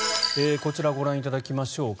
こちらご覧いただきましょうか。